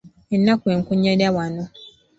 Ennaku enkunyira wano.